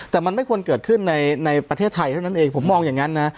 แต่มันไม่ควรเกิดขึ้นในประเทศไทยเท่านั้นเองผมมองอย่างนั้นนะ